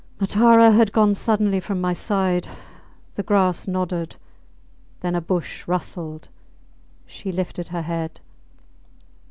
Matara had gone suddenly from my side. The grass nodded. Then a bush rustled. She lifted her head.